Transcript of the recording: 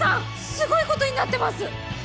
すごいことになってます！